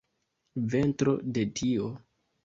Ventro de tio!